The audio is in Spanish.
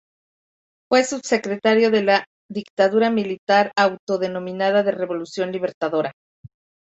Fue subsecretario de la dictadura militar autodenominada de Revolución Libertadora.